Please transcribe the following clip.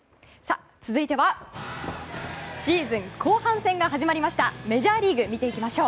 続いては、シーズン後半戦が始まりました、メジャーリーグ見ていきましょう。